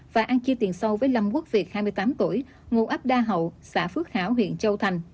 và ăn chia tiền sâu với lâm quốc việt hai mươi tám tuổi ngụ ấp đa hậu xã phước hảo huyện châu thành